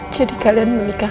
jadi kalian menikah